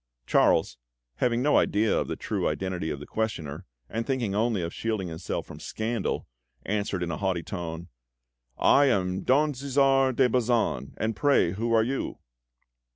Charles, having no idea of the true identity of his questioner, and thinking only of shielding himself from scandal, answered in a haughty tone: "I am Don Cæsar de Bazan! And pray, who are you?"